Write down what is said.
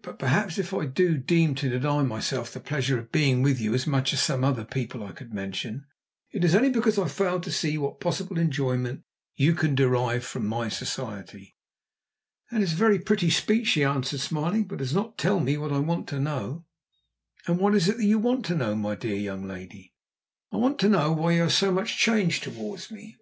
But, perhaps, if I do seem to deny myself the pleasure of being with you as much as some other people I could mention, it is only because I fail to see what possible enjoyment you can derive from my society." "That is a very pretty speech," she answered, smiling, "but it does not tell me what I want to know." "And what is it that you want to know, my dear young lady?" "I want to know why you are so much changed towards me.